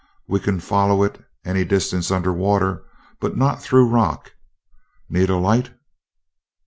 We can follow it any distance under water, but not through rock. Need a light?"